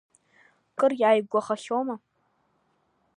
Кыр иааигәахахьоума?